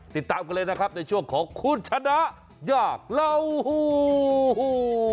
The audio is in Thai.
ติดตามกันเลยนะครับในช่วงของคุณชนะยากเล่า